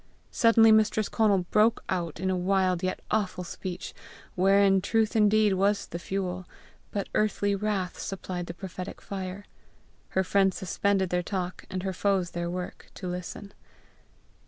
Suddenly Mistress Conal broke out in a wild yet awful speech, wherein truth indeed was the fuel, but earthly wrath supplied the prophetic fire. Her friends suspended their talk, and her foes their work, to listen.